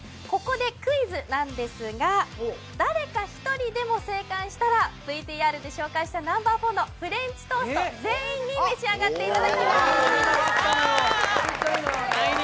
ここでクイズなんですが、誰か１人でも正解したらＶＴＲで紹介したＮｏ．４のＮｏ．４のフレンチトースト全員に召し上がっていただきます